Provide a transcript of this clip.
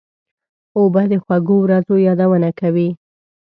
اوبه د خوږو ورځو یادونه کوي.